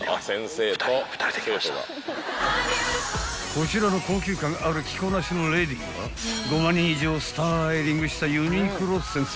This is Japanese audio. ［こちらの高級感ある着こなしのレディーが５万人以上をスタイリングした］